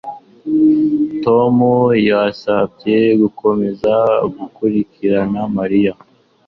Tom yansabye gukomeza gukurikirana Mariya